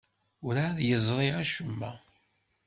Werɛad yeẓri acemma.